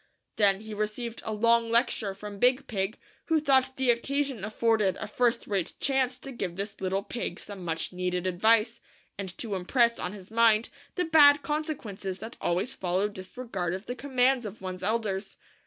Then he received a long lecture from Big Pig, who thought the occasion af afforded a first rate chance to give this little pig some much needed advice, and to impress on his mind the bad conse quences that always follow disregard of the commands of one's elders.